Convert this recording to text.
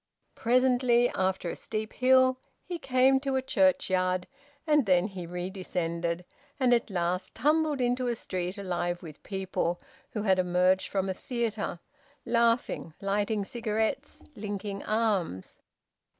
Presently, after a steep hill, he came to a churchyard, and then he redescended, and at last tumbled into a street alive with people who had emerged from a theatre, laughing, lighting cigarettes, linking arms.